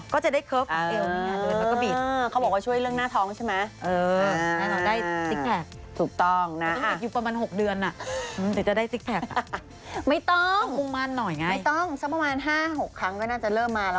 ก็จะได้เกิร์ฟเพลล์